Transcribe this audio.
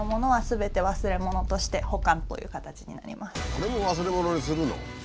これも忘れ物にするの？